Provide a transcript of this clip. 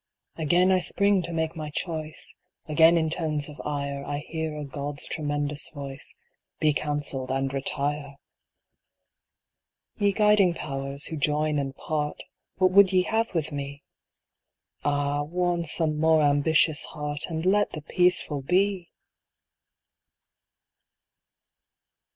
Again I spring to make my choice ; Again in tones of ire I hear a God's tremendous voice — " Be counsell'd, and retire !" Ye guiding Powers, who join and part, What would ye have with me ? Ah, warn some more ambitious heart. And let the peaceful be